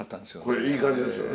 これいい感じですよね